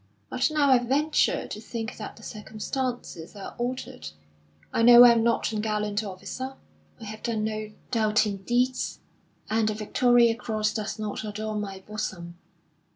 But now I venture to think that the circumstances are altered. I know I am not a gallant officer, I have done no doughty deeds, and the Victoria Cross does not adorn my bosom.